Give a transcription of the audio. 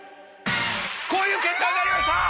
こういう結果になりました！